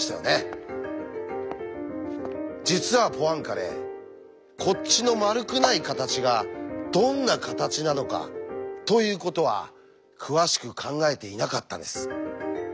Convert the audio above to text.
実はポアンカレこっちの「丸くない形がどんな形なのか」ということは詳しく考えていなかったんです。